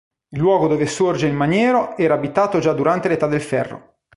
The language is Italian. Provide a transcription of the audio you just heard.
Il luogo dove sorge il maniero era abitato già durante l'età del ferro.